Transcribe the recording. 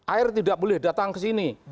air tidak boleh datang ke sini